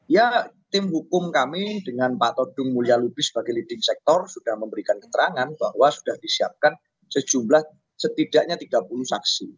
ya tim hukum kami dengan pak todung mulya lubi sebagai leading sector sudah memberikan keterangan bahwa sudah disiapkan sejumlah setidaknya tiga puluh saksi